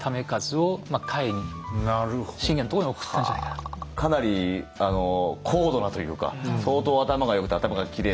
実はかなり高度なというか相当頭が良くて頭が切れて。